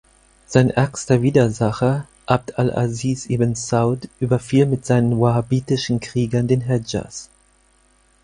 Sein ärgster Widersacher, Abd al-Aziz ibn Saud, überfiel mit seinen wahhabitischen Kriegern den Hedschas.